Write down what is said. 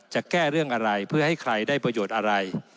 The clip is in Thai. จะแก้เรื่องอะไรเพื่อให้ใครได้ประโยชน์อะไร